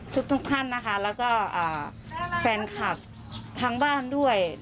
ทุกท่านนะคะแล้วก็แฟนคลับทางบ้านด้วย